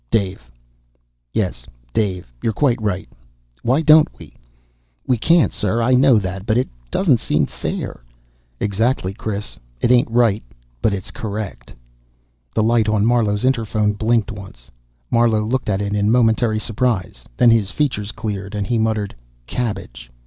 "Dave." "Yes, Dave." "You're quite right. Why don't we?" "We can't, sir. I know that. But it doesn't seem fair " "Exactly, Chris. It ain't right, but it's correct." The light on Marlowe's interphone blinked once. Marlowe looked at it in momentary surprise. Then his features cleared, and he muttered "Cabbage."